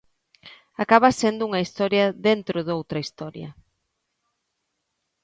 Acaba sendo unha historia dentro doutra historia.